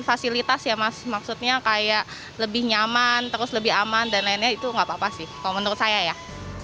fasilitas ya mas maksudnya kayak lebih nyaman terus lebih aman dan lainnya itu nggak apa apa sih